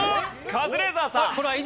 カズレーザーさん。